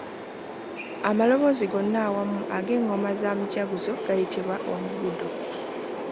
Amalaboozi gonna awamu ag’engoma za mujaguzo gayitibwa omugudo.